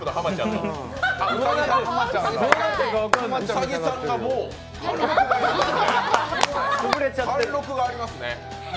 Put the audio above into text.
兎さんがもう貫禄がありますね。